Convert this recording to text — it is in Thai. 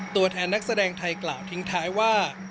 ตัวแทนนักแสดงไทยกล่าวทิ้งท้ายว่า